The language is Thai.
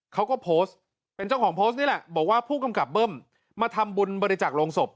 เขาก็โพสต์เป็นเจ้าของโพสต์นี่แหละบอกว่าผู้กำกับเบิ้มมาทำบุญบริจักษ์โรงศพ